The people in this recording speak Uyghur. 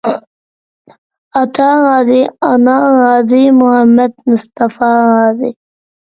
ئاتا رازى، ئانا رازى، مۇھەممەد مۇستافا رازى.